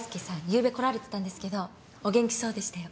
ゆうべ来られてたんですけどお元気そうでしたよ。